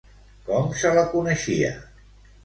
Com se la coneixia?